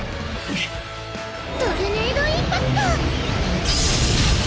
トルネードインパクト！